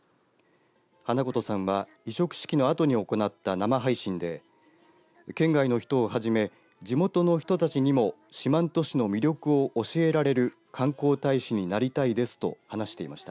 花琴さんは委嘱式のあとに行った生配信で県外の人をはじめ地元の人たちにも四万十市の魅力を教えられる観光大使になりたいですと話していました。